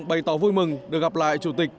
bày tỏ vui mừng được gặp lại chủ tịch